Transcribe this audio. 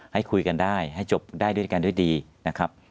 ให้คุยกันได้ให้จบได้ด้วยกันด้วยดีนะครับ